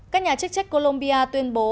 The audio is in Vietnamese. các nhà chức trách colombia tuyên bố